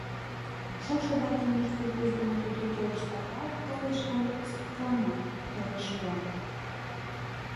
Шошо да кеҥеж пӱртӱс дене тудо келыштаралт толеш але ӱскыртлана, тореш руа?